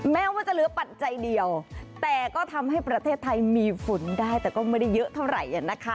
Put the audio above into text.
แม้ว่าจะเหลือปัจจัยเดียวแต่ก็ทำให้ประเทศไทยมีฝนได้แต่ก็ไม่ได้เยอะเท่าไหร่